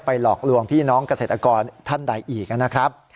หลอกลวงพี่น้องเกษตรกรท่านใดอีกนะครับ